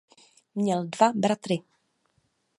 Měl dva bratry.